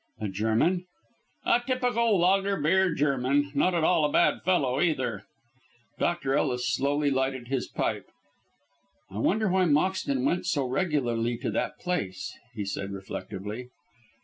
"A German?" "A typical lager beer German. Not at all a bad fellow, either." Dr. Ellis slowly lighted his pipe. "I wonder why Moxton went so regularly to that place?" he said reflectively.